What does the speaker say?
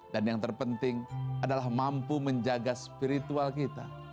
dan yang terpenting adalah mampu menjaga spiritual kita